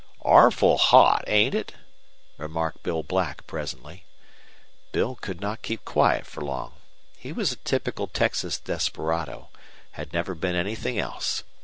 "Orful hot, ain't it?" remarked Bill Black, presently. Bill could not keep quiet for long. He was a typical Texas desperado, had never been anything else.